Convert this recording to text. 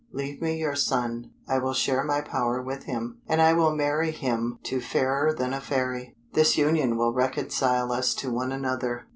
Leave me your son; I will share my power with him, and I will marry him to Fairer than a Fairy; this union will reconcile us to one another."